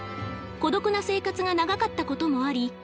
孤独な生活が長かったこともあり